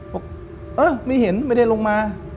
ผมไม่เดินลงมา